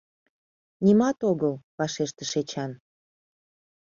— Нимат огыл, — вашештыш Эчан.